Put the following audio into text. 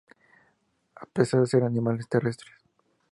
A pesar de ser animales terrestres.